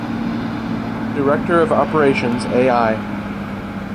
Director of Operations, a.i.